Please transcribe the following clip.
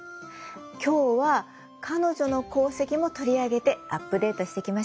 今日は彼女の功績も取り上げてアップデートしていきましょう！